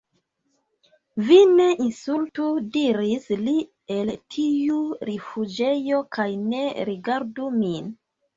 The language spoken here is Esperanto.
"Vi ne insultu," diris li el tiu rifuĝejo, "kaj ne rigardu min."